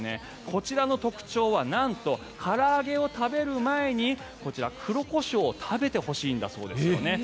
こちらの特徴はなんと、から揚げを食べる前にこちら、黒コショウを食べてほしいんだそうですね。